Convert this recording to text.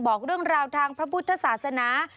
บอกด้วยราวทางพระพุทธศาสนา